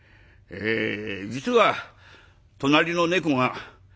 『え実は隣の猫が』。